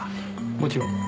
もちろん。